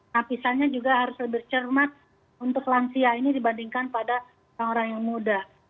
lapisannya juga harus lebih cermat untuk lansia ini dibandingkan pada orang orang yang muda